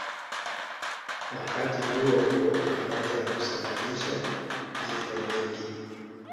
Wakati huohuo pamoja na kusababisha vifo vingi